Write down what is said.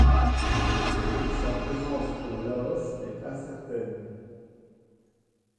Sa présence au Laos est incertaine.